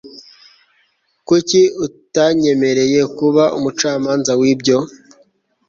kuki utanyemereye kuba umucamanza wibyo